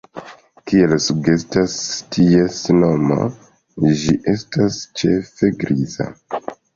Kiel sugestas ties nomo, ĝi estas ĉefe griza.